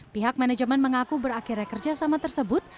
pihak manajemen mengaku berakhirnya kerjasama tersebut